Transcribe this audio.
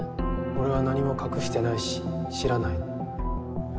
俺は何も隠してないし知らない。